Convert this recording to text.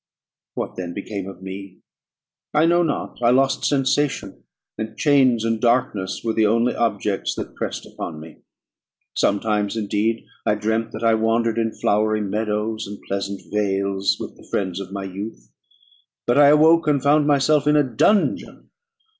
What then became of me? I know not; I lost sensation, and chains and darkness were the only objects that pressed upon me. Sometimes, indeed, I dreamt that I wandered in flowery meadows and pleasant vales with the friends of my youth; but I awoke, and found myself in a dungeon.